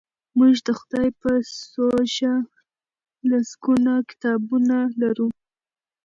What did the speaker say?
موږ د خدای په سوژه لسګونه کتابونه لرو.